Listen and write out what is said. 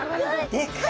でかい！